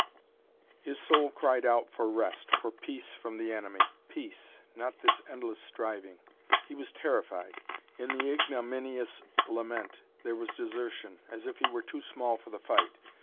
His soul cried out for rest, for peace from the enemy; peace, not this endless striving. He was terrified. In the ignominious lament there was desertion, as if he were too small for the fight.